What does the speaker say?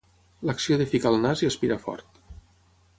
L'acció de ficar el nas i aspirar fort.